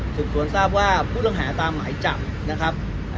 สืบสวนทราบว่าผู้ต้องหาตามหมายจับนะครับ